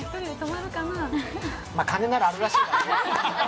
まぁ、金ならあるらしいから。